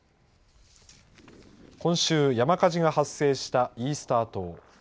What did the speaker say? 今週、山火事が発生したイースター島。